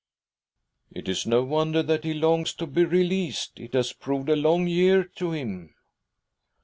• "It is no wonder that he longs to be released. It has proved a long year to him."